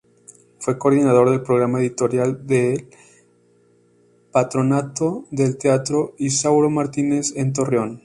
Fue coordinador del programa editorial del Patronato del Teatro Isauro Martínez en Torreón.